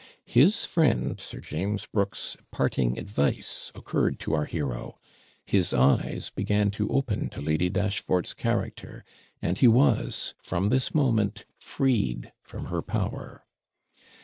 His friend Sir James Brooke's parting advice occurred to our hero; his eyes began to open to Lady Dashfort's character; and he was, from this moment, freed from her power.